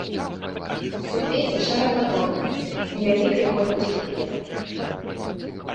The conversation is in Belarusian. Суквецце шарападобнае, з невялікай колькасцю кветак.